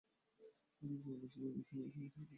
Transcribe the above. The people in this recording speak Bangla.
আমি ভেবে বলেছিলাম যে তুমি এখানে থেরাপির জন্য ছিলেন না।